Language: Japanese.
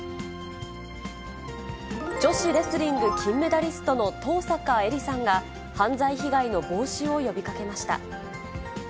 女子レスリング金メダリストの登坂絵莉さんが、犯罪被害の防止を呼びかけました。